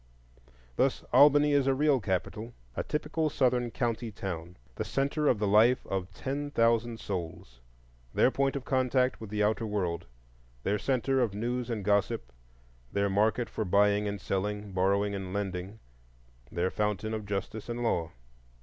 Thus Albany is a real capital,—a typical Southern county town, the centre of the life of ten thousand souls; their point of contact with the outer world, their centre of news and gossip, their market for buying and selling, borrowing and lending, their fountain of justice and law.